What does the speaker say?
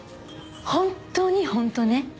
本当に本当ね？